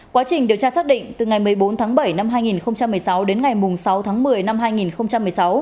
quá trình điều tra xác định từ ngày một mươi bốn tháng bảy năm hai nghìn một mươi sáu đến ngày sáu tháng một mươi năm hai nghìn một mươi sáu